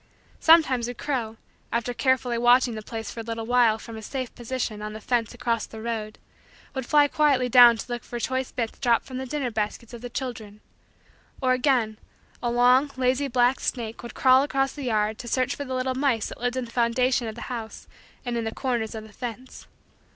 Sometimes a crow, after carefully watching the place for a little while from a safe position on the fence across the road, would fly quietly down to look for choice bits dropped from the dinner baskets of the children. Or again, a long, lazy, black snake would crawl across the yard to search for the little mice that lived in the foundation of the house and in the corners of the fence.